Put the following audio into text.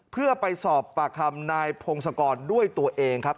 เพื่อไปสอบปากคำนายพงศกรด้วยตัวเองครับ